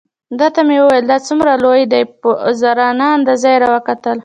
ده ته مې وویل: دا څومره لوی دی؟ په عذرانه انداز یې را وکتل.